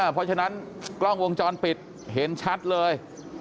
เพราะฉะนั้นกล้องวงจรปิดเห็นชัดเลย